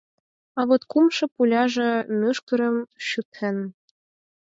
А вот кумшо пуляже мӱшкырым шӱтен.